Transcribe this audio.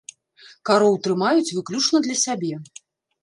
Кароў трымаюць выключна для сябе.